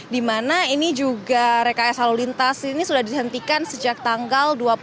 dimana ini juga rks lalu lintas ini sudah dihentikan sejak tanggal dua puluh